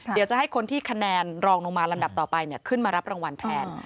เดี๋ยวจะให้คนที่คะแนนรองลงมาลำดับต่อไปขึ้นมารับรางวัลแทน